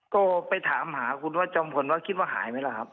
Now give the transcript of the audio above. ก็ไปถามหาคุณว่าจำผลว่าคิดว่าหายมั้ยล่ะครับ